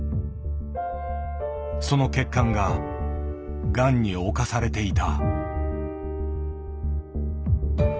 その血管ががんに侵されていた。